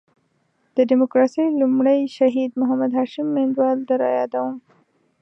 د ډیموکراسۍ لومړی شهید محمد هاشم میوندوال در یادوم.